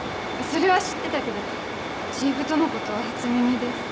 それは知ってたけどチーフとのことは初耳です。